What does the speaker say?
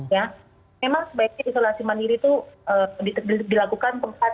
ya memang sebaiknya isolasi mandiri itu dilakukan dengan baik